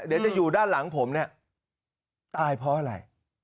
เดี๋ยวจะอยู่ด้านหลังผมเนี่ยตายเพราะอะไร